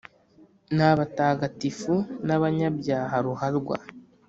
ni abatagatifu n’abanyabyaha ruharwa.